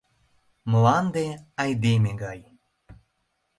Мланде — айдеме гай.